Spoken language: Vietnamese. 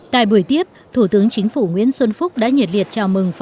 tại buổi tiếp thủ tướng chính phủ nguyễn xuân phúc đã nhiệt liệt chào mừng